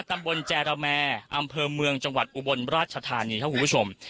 ตำบลแจรแมอำเภอเมืองจังหวัดอุบลราชธานีครับคุณผู้ชม